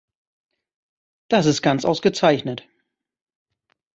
Das ist ganz ausgezeichnet.